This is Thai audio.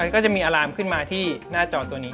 ก็จะมีอารามขึ้นมาที่หน้าจอตัวนี้